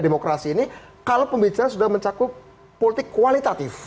demokrasi ini kalau pembicaraan sudah mencakup politik kualitatif